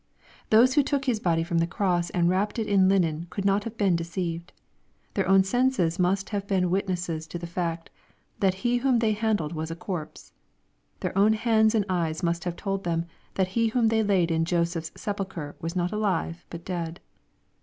Those who took His body from the cross and wrapped it in linen, could not have been deceived. Their own senses must have been witnesses to the fact, that He whom they handled was a corpse. Their own hands and eyes must have told them, that He whom they laid in Joseph's sepulchre was not alive but dead.